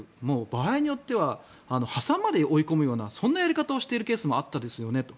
場合によっては破産まで追い込むようなそんなやり方をしているケースもありましたよねと。